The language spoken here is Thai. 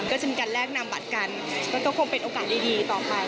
ก็จะมีการแลกนำบัตรกันก็คงเป็นโอกาสดีต่อไป